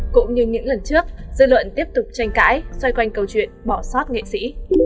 cũng như những lần trước dư luận tiếp tục tranh cãi xoay quanh câu chuyện bỏ sót nghệ sĩ